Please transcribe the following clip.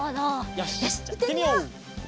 よしじゃあいってみよう。